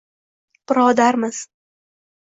Birodarmiz